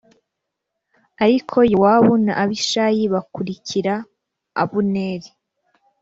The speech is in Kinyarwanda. Ariko Yowabu na Abishayi bakurikira Abuneri